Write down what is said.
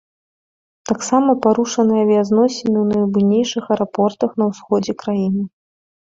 Таксама парушаныя авіязносіны ў найбуйнейшых аэрапортах на ўсходзе краіны.